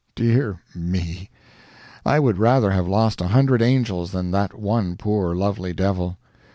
Dear me! I would rather have lost a hundred angels than that one poor lovely devil.